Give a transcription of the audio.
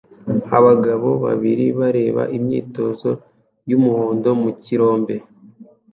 Abagabo babiri bareba imyitozo y'umuhondo mu kirombe